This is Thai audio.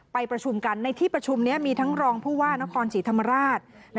ไปประชุมกันในที่ประชุมนี้มีทั้งรองผู้ว่านครศรีธรรมราช